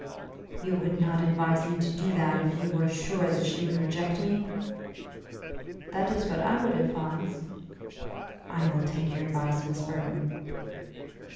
"You would not advise me to do that if you were sure that she would reject me?" "That is what I would advise." "I will take your advice, Miss Burton.